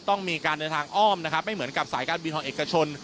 ต้องมีการเดินทางอ้อมนะครับไม่เหมือนกับสายการบินของเอกชน